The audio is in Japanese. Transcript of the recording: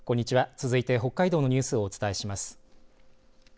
続いて北海道のニュースをお伝えします。